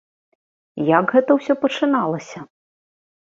Як гэта ўсё пачыналася?